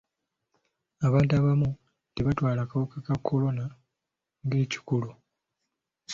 Abantu abamu tebatwala kawuka ka kolona ng'ekikulu.